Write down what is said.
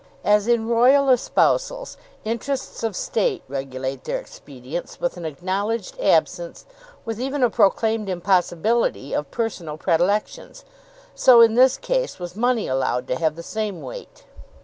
As in royal espousals interests of State regulate their expedience with an acknowledged absence, with even a proclaimed impossibility, of personal predilections, so in this case was money allowed to have the same weight.